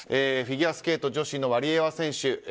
フィギュアスケート女子のワリエワ選手